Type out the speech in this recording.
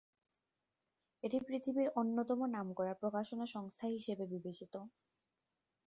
এটি পৃথিবীর অন্যতম নামকরা প্রকাশনা সংস্থা হিসেবে বিবেচিত।